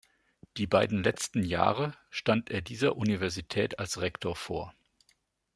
Die beiden letzten Jahre stand er dieser Universität als Rektor vor.